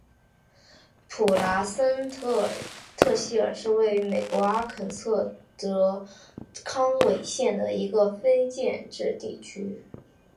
普莱森特希尔是位于美国阿肯色州康韦县的一个非建制地区。